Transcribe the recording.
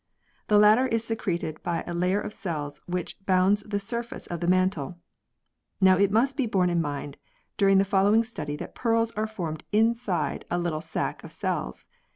The latter is secreted by a layer of cells which bounds the surface of the mantle. Now it must be borne in mind during the following study that pearls are formed inside a little sa,c of cells.